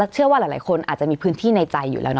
เชื่อว่าหลายคนอาจจะมีพื้นที่ในใจอยู่แล้วเน